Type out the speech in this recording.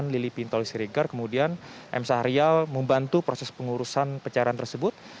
lili pintol siregar kemudian m sahrial membantu proses pengurusan pencairan tersebut